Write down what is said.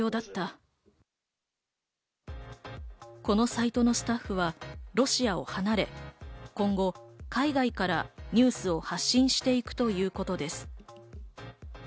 このサイトのスタッフは、ロシアを離れ、今後、海外からニュースを発信していくということです。